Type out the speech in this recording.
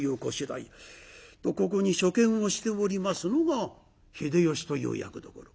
とここに書見をしておりますのが秀吉という役どころ。